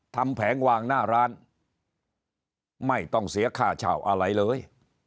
แผงวางหน้าร้านไม่ต้องเสียค่าเช่าอะไรเลย